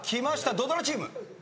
土ドラチーム。